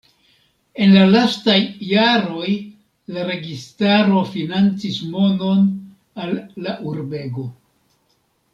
En la lastaj jaroj la registaro financis monon al la urbego.